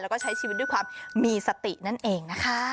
แล้วก็ใช้ชีวิตด้วยความมีสตินั่นเองนะคะ